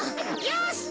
よし！